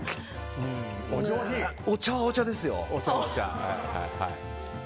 お茶はお茶ですよ。